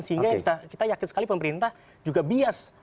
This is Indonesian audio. sehingga kita yakin sekali pemerintah juga bias